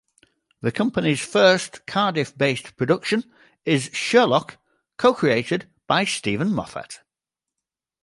The company's first Cardiff-based production is "Sherlock", co-created by Steven Moffat.